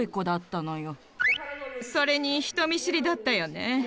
それに人見知りだったよね。